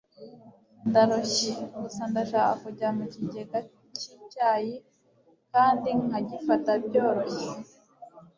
ndarushye. gusa ndashaka kujya mukigenda cyicyayi kandi nkagifata byoroshye